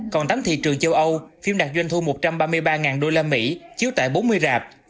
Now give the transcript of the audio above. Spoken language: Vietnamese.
còn tấm thị trường châu âu phim đạt doanh thu một trăm ba mươi ba usd chiếu tại bốn mươi rạp